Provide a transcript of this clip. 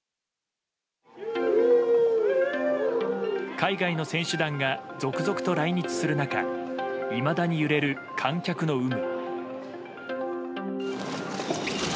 海外の選手団が続々と来日する中いまだに揺れる観客の有無。